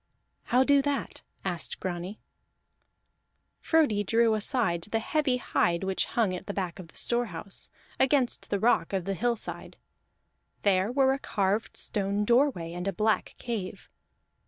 "How do that?" asked Grani. Frodi drew aside the heavy hide which hung at the back of the storehouse, against the rock of the hillside; there were a carved stone doorway and a black cave.